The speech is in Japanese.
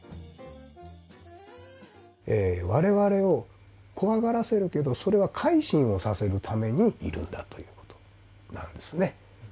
我々を怖がらせるけどそれは改心をさせるためにいるんだという事なんですね。